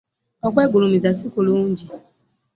Okwegulumiza sikulungi.